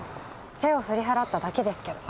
手を振り払っただけですけど。